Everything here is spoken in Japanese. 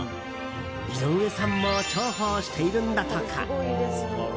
井上さんも重宝しているんだとか。